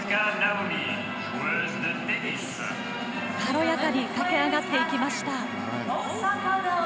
軽やかに駆け上がっていきました。